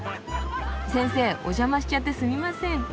先生お邪魔しちゃってすみません。